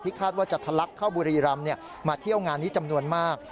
คาดว่าจะทะลักเข้าบุรีรำมาเที่ยวงานนี้จำนวนมาก